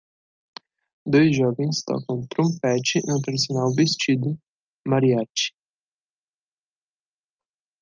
Dois jovens tocam trompete no tradicional vestido mariachi.